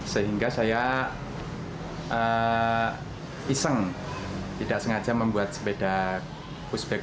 sehingga saya iseng tidak sengaja membuat sepeda pushback